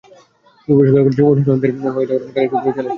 তবে স্বীকার করেছেন, অনুশীলনে দেরি হয়ে যাওয়ায় গাড়ি একটু জোরেই চালিয়েছিলেন।